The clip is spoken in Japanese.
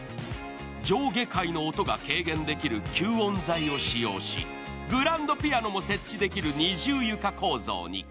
上下階の音が軽減できる吸音材を使用し、グランドピアノも設置できる二重床構造に。